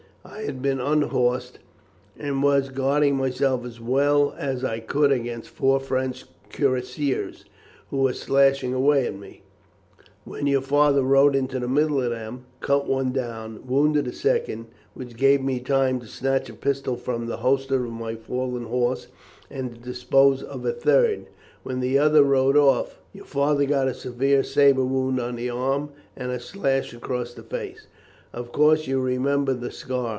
I had been unhorsed and was guarding myself as well as I could against four French cuirassiers, who were slashing away at me, when your father rode into the middle of them, cut one down and wounded a second, which gave me time to snatch a pistol from the holster of my fallen horse and to dispose of a third, when the other rode off. Your father got a severe sabre wound on the arm and a slash across the face. Of course, you remember the scar.